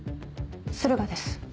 駿河です。